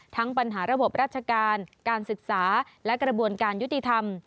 ปัญหาระบบราชการการศึกษาและกระบวนการยุติธรรม